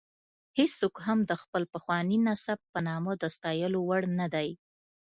هېڅوک هم د خپل پخواني نسب په نامه د ستایلو وړ نه دی.